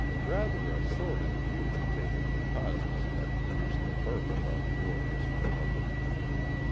*' Rather a sordid view to take of the causes that produced the birth of our glorious Republic.